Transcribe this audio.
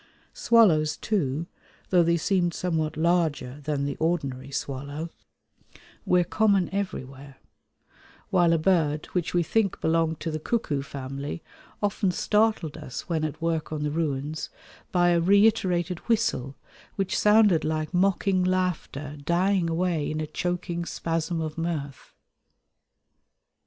Swallows, too, though they seemed somewhat larger than the ordinary swallow, were common everywhere; while a bird, which we think belonged to the cuckoo family, often startled us when at work on the ruins by a reiterated whistle which sounded like mocking laughter dying away in a choking spasm of mirth.